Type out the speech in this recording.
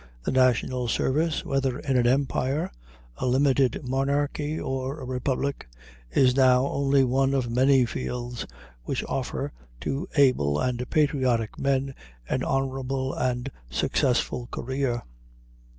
The national service, whether in an empire, a limited monarchy, or a republic, is now only one of many fields which offer to able and patriotic men an honorable and successful career.